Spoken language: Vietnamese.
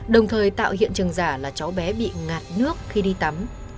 đồng thời tạo hiện trường giả là cháu bé bị ngạt nước khi đi tắm